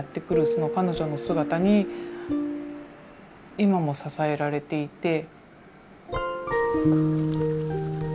その彼女の姿に今も支えられていて。